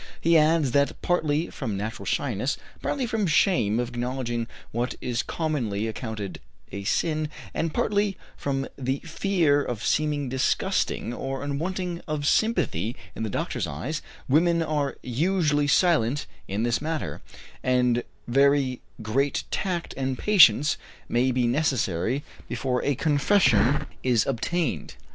He adds that partly from natural shyness, partly from shame of acknowledging what is commonly accounted a sin, and partly from the fear of seeming disgusting or unworthy of sympathy in the doctor's eyes, women are usually silent on this matter, and very great tact and patience may be necessary before a confession is obtained.